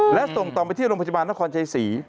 หรือส่งต่อไปที่โรงพยาบาลนครชาย๔